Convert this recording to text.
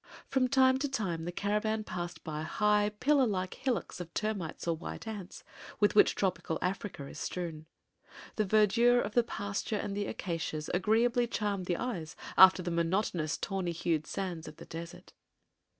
From time to time the caravan passed by high, pillar like hillocks of termites or white ants, with which tropical Africa is strewn. The verdure of the pasture and the acacias agreeably charmed the eyes after the monotonous, tawny hued sands of the desert.